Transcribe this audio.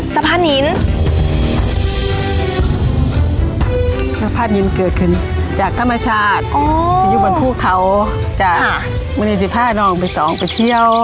สะพานหินเกิดขึ้นจากธรรมชาติอยู่บนภูเขาจากบริเวณ๑๕นไปเที่ยว